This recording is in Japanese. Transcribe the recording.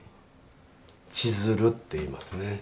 千鶴っていいますね。